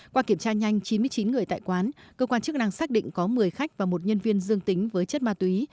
qua kiểm tra nhanh chín mươi chín người tại quán cơ quan chức năng xác định có một mươi khách và một nhân viên dương tính với chất ma túy